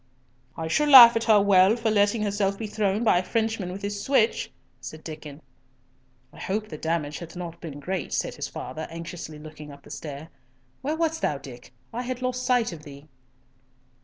"I shall laugh at her well for letting herself be thrown by a Frenchman with his switch," said Diccon. "I hope the damage hath not been great," said his father, anxiously looking up the stair. "Where wast thou, Dick? I had lost sight of thee."